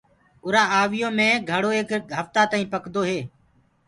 اُرآ آويٚ يو مي گھڙو ايڪ هڦتآ تآئينٚ پڪدو هي۔